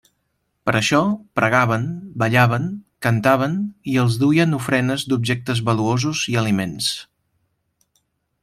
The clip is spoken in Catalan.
Per això, pregaven, ballaven, cantaven i els duien ofrenes d'objectes valuosos i aliments.